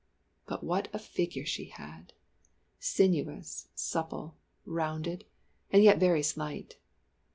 But what a figure she had! Sinuous, supple, rounded, and yet very slight.